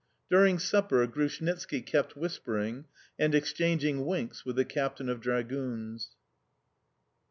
During supper Grushnitski kept whispering and exchanging winks with the captain of dragoons.